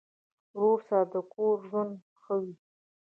ورور سره د کور ژوند ښه وي.